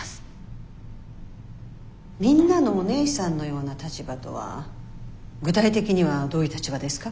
みんなのお姉さんのような立場とは具体的にはどういう立場ですか？